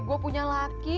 gue punya laki